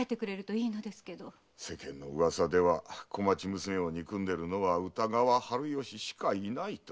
町の噂では小町娘を憎んでるのは歌川春芳しかいないと。